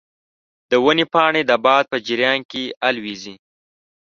د ونې پاڼې د باد په جریان کې الوزیدې.